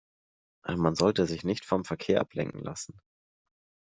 Man sollte sich nicht vom Verkehr ablenken lassen.